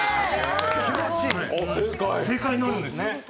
正解になるんです。